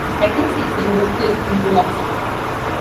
The second season was filmed in New York City.